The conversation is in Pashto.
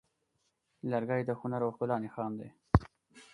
لرګی د هنر او ښکلا نښان دی.